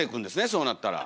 そうなったら。